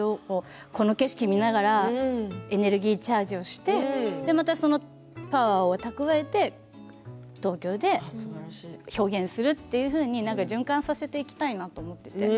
この景色を見ながらエネルギージャージをしてまたパワーを蓄えて東京で表現するというふうに循環させていきたいなと思って。